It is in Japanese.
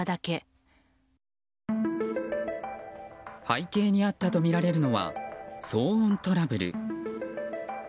背景にあったとみられるのは騒音トラブル。